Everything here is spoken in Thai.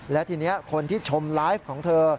และทีนี้คนที่ชมไลฟ์ของเธอ